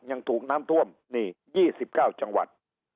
ยังถูกน้ำท่วมนี่๒๙จังหวัด